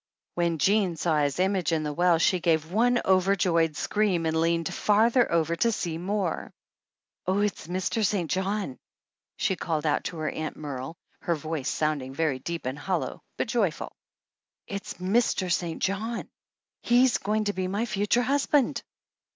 When Jean saw his image in the well she gave one overjoyed scream and leaned farther over to see more. "Oh, it's Mr. St. John," she called out to her Aunt Merle, her voice sounding very deep and hollow, but joyful. "It's Mr. St. John! He's going to be my future husband